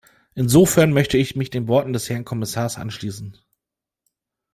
Insofern möchte ich mich den Worten des Herrn Kommissars anschließen.